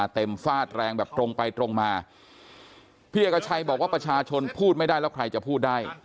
ฟาดแรงแบบตรงไปตรงมาพี่เอกชัยบอกว่าประชาชนพูดไม่ได้แล้วใครจะพูดได้